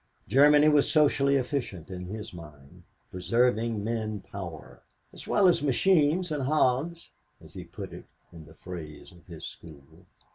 Germany was socially efficient in his mind, preserving men power, "as well as machines and hogs," as he put it in the phrase of his school.